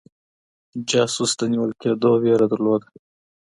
جاسوس د نيول کيدو ويره درلوده.